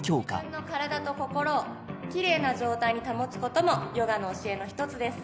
自分の体と心をキレイな状態に保つこともヨガの教えの一つです